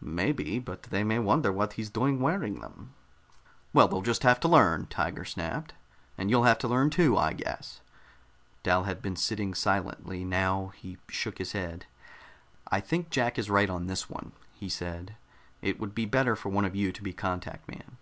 "Maybe. But they may wonder what he's doing wearing them." "Well, they'll just have to learn," Tiger snapped. "And you'll have to learn, too, I guess." Dal had been sitting silently. Now he shook his head. "I think Jack is right on this one," he said. "It would be better for one of you to be contact man."